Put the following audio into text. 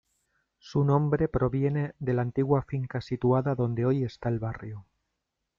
Su nombre proviene de la antigua finca situada donde hoy está el barrio.